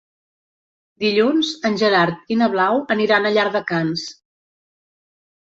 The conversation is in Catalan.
Dilluns en Gerard i na Blau aniran a Llardecans.